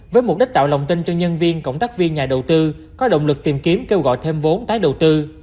với mục đích tạo lòng tin cho nhân viên cộng tác viên nhà đầu tư có động lực tìm kiếm kêu gọi thêm vốn tái đầu tư